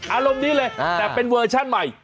อารมณ์นี้เลยแต่เป็นเวอร์ชั่นใหม่